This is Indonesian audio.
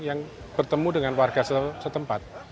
yang bertemu dengan warga setempat